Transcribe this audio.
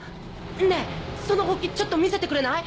ねぇそのホウキちょっと見せてくれない？